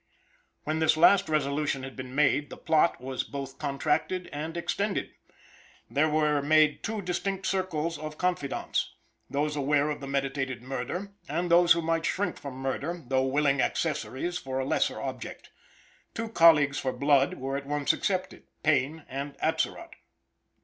When this last resolution had been made, the plot was both contracted and extended. There were made two distinct circles of confidants those aware of the meditated murder, and those who might shrink from murder, though willing accessories for a lesser object. Two colleagues for blood were at once accepted Payne and Atzerott.